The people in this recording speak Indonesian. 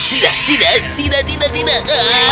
tidak tidak tidak tidak